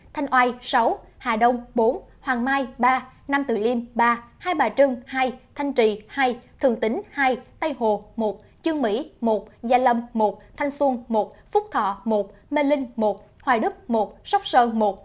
thanh trị hai thường tính hai tây hồ một chương mỹ một gia lâm một thanh xuân một phúc thọ một mê linh một hoài đức một sóc sơn một